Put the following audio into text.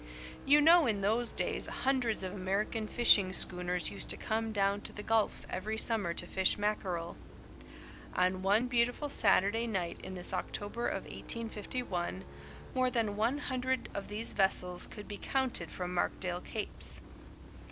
You know in those days hundreds of American fishing schooners used to come down to the Gulf every summer to fish mackerel. On one beautiful Saturday night in this October of 1851, more than one hundred of these vessels could be counted from Markdale Capes.